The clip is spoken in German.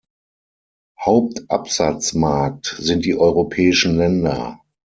Hauptabsatzmarkt sind die europäischen Länder.